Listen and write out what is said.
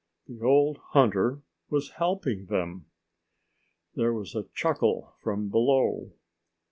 The old hunter was helping them! There was a chuckle from below.